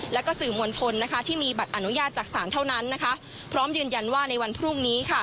และก็สื่อมวลชนที่มีบัตรอนุญาตจากศาลเท่านั้นนะคะพร้อมยืนยันว่าในวันพรุ่งนี้ค่ะ